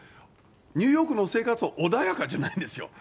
ニューヨークの生活は穏やかじゃないんですよ。